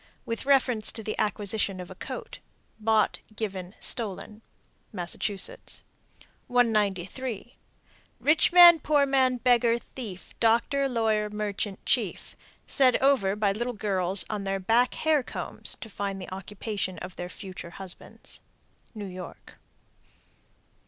With reference to the acquisition of a coat: Bought, given, stolen. Massachusetts. 193. "Rich man, poor man, beggar, thief, doctor, lawyer, merchant, chief." Said over by little girls on their back hair combs to find the occupation of their future husbands. _New York.